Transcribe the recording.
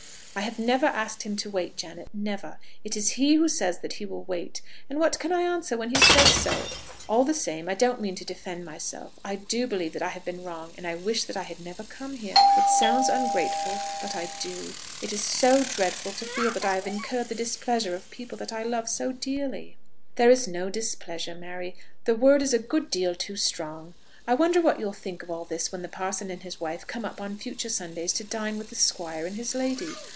"I have never asked him to wait, Janet; never. It is he who says that he will wait; and what can I answer when he says so? All the same I don't mean to defend myself. I do believe that I have been wrong, and I wish that I had never come here. It sounds ungrateful, but I do. It is so dreadful to feel that I have incurred the displeasure of people that I love so dearly." "There is no displeasure, Mary; the word is a good deal too strong. I wonder what you'll think of all this when the parson and his wife come up on future Sundays to dine with the Squire and his lady.